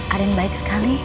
aden baik sekali